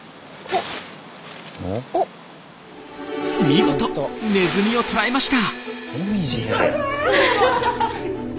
見事ネズミを捕らえました！